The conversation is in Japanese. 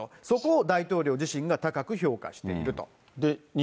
そこを大統領自身が高く評価していると。